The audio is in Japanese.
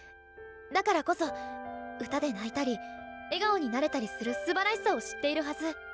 だからこそ歌で泣いたり笑顔になれたりするすばらしさを知っているはず。